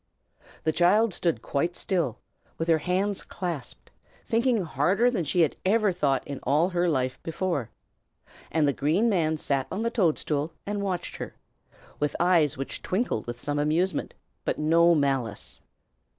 The child stood quite still, with her hands clasped, thinking harder than she had ever thought in all her life before; and the Green Man sat on the toadstool and watched her, with eyes which twinkled with some amusement, but no malice.